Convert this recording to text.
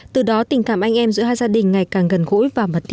từ đó tình cảm anh em giữa hai gia đình ngày càng gần gũi và mật thiết